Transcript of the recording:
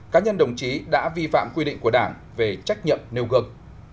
cá nhân đồng chí đã vi phạm quy định của đảng về trách nhiệm nêu gương